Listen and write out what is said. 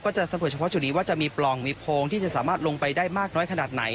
จะสำรวจเฉพาะจุดนี้ว่าจะมีปล่องมีโพงที่จะสามารถลงไปได้มากน้อยขนาดไหน